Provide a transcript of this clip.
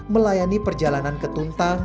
melayani perjalanan ke tuntang